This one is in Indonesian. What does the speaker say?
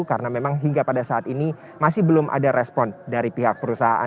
karena memang hingga pada saat ini masih belum ada respon dari pihak perusahaan